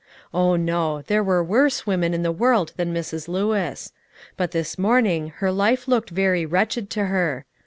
Oh no; there were worse women in the world than Mrs. Lewis; but this morning her life looked very wretched to her.